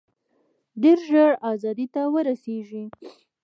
ډېر ژر آزادۍ ته ورسیږي.